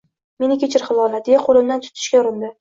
Meni kechir, Hilola, deya qo`limdan tutishga urindi